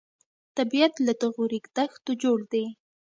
طبیعت له دغو ریګ دښتو جوړ دی.